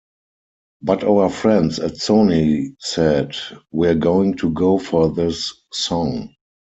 But our friends at Sony said, 'We're going to go for this song.